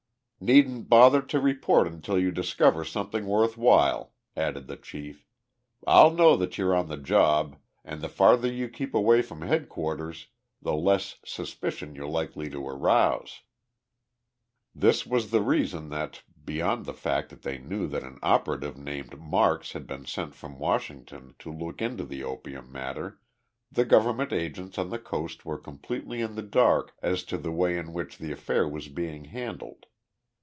"Needn't bother to report until you discover something worth while," added the chief. "I'll know that you're on the job and the farther you keep away from headquarters the less suspicion you're likely to arouse." This was the reason that, beyond the fact they knew that an operative named Marks had been sent from Washington to look into the opium matter, the government agents on the Coast were completely in the dark as to the way in which the affair was being handled.